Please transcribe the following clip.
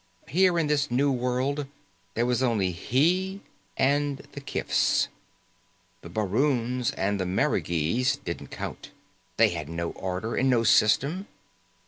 Here in this new world, there was only he and the kifs. The baroons and the marigees didn't count. They had no order and no system.